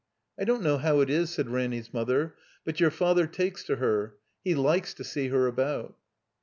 *'I don't know how it is," said Ranny's mother, "but your Father takes to her. He likes to see her about."